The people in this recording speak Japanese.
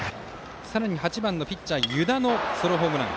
さらに８番ピッチャー湯田のソロホームラン。